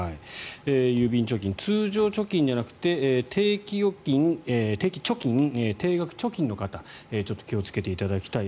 郵便貯金通常貯金じゃなくて定期貯金、定額貯金の方ちょっと気をつけていただきたい。